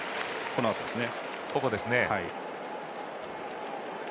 このあとですね。